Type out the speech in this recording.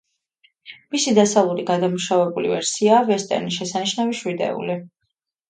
მისი დასავლური გადამუშავებული ვერსიაა ვესტერნი „შესანიშნავი შვიდეული“.